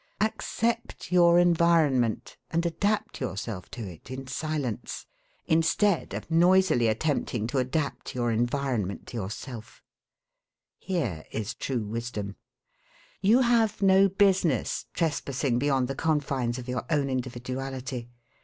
Accept your environment and adapt yourself to it in silence, instead of noisily attempting to adapt your environment to yourself. Here is true wisdom. You have no business trespassing beyond the confines of your own individuality.